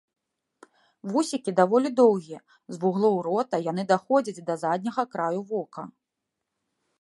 Вусікі даволі доўгія, з вуглоў рота яны даходзяць да задняга краю вока.